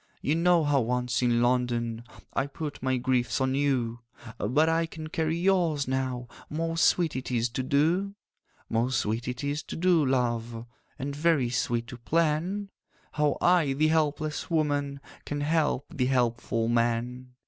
'You know how once in London I put my griefs on you; But I can carry yours now— Most sweet it is to do! 'Most sweet it is to do, love, And very sweet to plan How I, the helpless woman, Can help the helpful man.